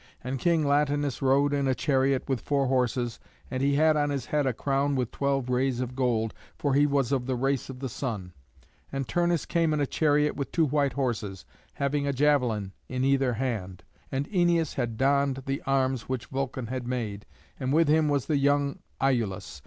And King Latinus rode in a chariot with four horses, and he had on his head a crown with twelve rays of gold, for he was of the race of the Sun; and Turnus came in a chariot with two white horses, having a javelin in either hand; and Æneas had donned the arms which Vulcan had made, and with him was the young Iülus.